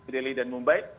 delhi dan mumbai